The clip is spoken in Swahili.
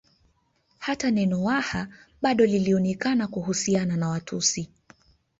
Hata neno Waha bado lilionekana kuhusiana na Watusi